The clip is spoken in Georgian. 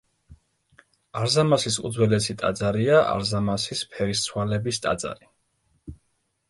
არზამასის უძველესი ტაძარია არზამასის ფერისცვალების ტაძარი.